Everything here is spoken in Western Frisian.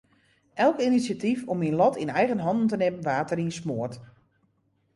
Elk inisjatyf om myn lot yn eigen hannen te nimmen waard deryn smoard.